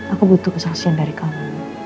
aku butuh kesaksian dari kami